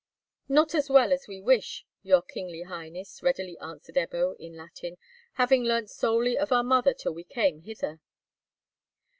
"Not as well as we wish, your kingly highness," readily answered Ebbo, in Latin, "having learnt solely of our mother till we came hither."